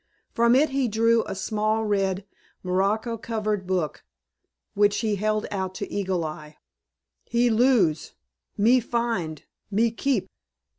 From it he drew a small red morocco covered book, which he held out to Eagle Eye. "He lose. Me find. Me keep."